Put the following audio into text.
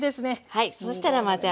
はい。